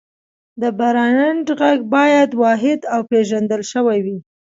د برانډ غږ باید واحد او پېژندل شوی وي.